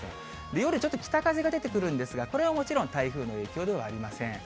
夜ちょっと北風が出てくるんですが、これはもちろん台風の影響ではありません。